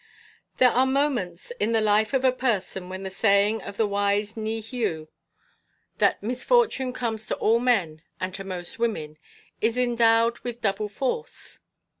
There are moments in the life of a person when the saying of the wise Ni Hyu that "Misfortune comes to all men and to most women" is endowed with double force.